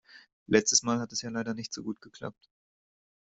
Letztes Mal hat es ja leider nicht so gut geklappt.